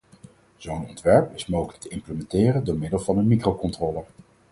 Zo'n ontwerp is mogelijk te implementeren door middel van een microcontroller.